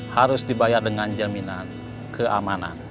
harus dibayar dengan jaminan keamanan